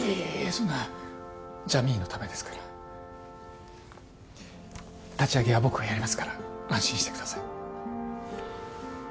そんなジャミーンのためですから立ち上げは僕がやりますから安心してください